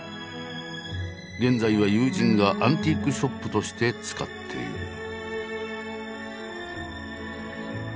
現在は友人がアンティークショップとして使っている。